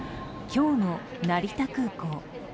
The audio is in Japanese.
今日の成田空港。